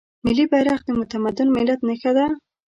ملي بیرغ د متمدن ملت نښه ده.